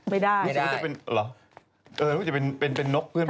ไม่ได้ไม่ได้เออนึกว่าจะเป็นนกเพื่อนผม